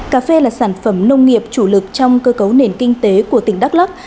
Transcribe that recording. cà phê là sản phẩm nông nghiệp chủ lực trong cơ cấu nền kinh tế của tỉnh đắk lắc